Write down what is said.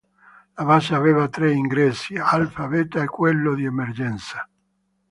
La base aveva tre ingressi, "alfa", "beta" e quello di emergenza.